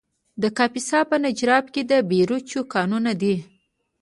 د کاپیسا په نجراب کې د بیروج کانونه دي.